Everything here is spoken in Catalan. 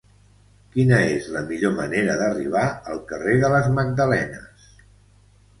Quina és la millor manera d'arribar al carrer de les Magdalenes?